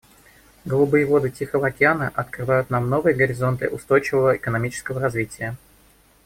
Голубые воды Тихого океана открывают нам новые горизонты устойчивого экономического развития.